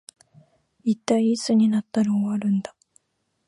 一体いつになったら終わるんだ